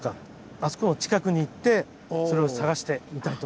あそこの近くに行ってそれを探してみたいと思います。